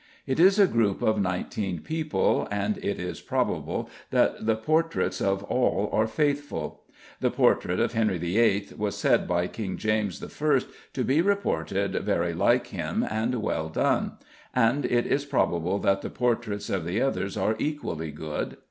It is a group of nineteen people, and it is probable that the portraits of all are faithful. The portrait of Henry VIII. was said by King James I. to be reported "very like him and well done," and it is probable that the portraits of the others are equally good.